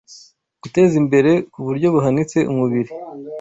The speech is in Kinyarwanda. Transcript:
guteza imbere ku buryo buhanitse umubiri